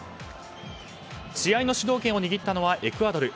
試合の主導権を握ったのはエクアドル。